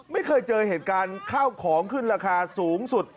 ไม่เคยเจอเหตุการณ์ข้าวของขึ้นราคาสูงสุด